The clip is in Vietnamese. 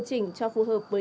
cũng khá sát với thực tế